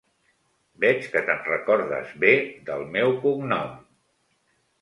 Veig que te'n recordes bé, del meu cognom!